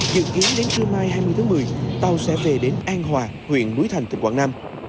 dự kiến đến trưa mai hai mươi tháng một mươi tàu sẽ về đến an hòa huyện núi thành tỉnh quảng nam